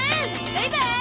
バイバーイ！